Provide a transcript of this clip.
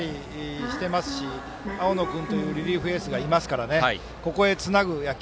投手陣がしっかりしていますし青野君というリリーフエースがいますからそこへつなぐ野球。